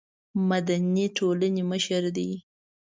مدني ټولنې مشر دی.